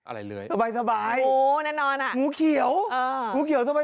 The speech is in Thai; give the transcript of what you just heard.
เฮ้ยสบายหมูเขียวสบายใช่ป่าว